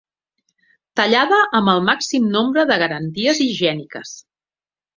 Tallada amb el màxim nombre de garanties higièniques.